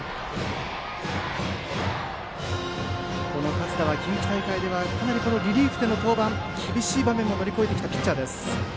勝田は近畿大会ではかなりリリーフでの登板厳しい場面も乗り越えてきたピッチャーです。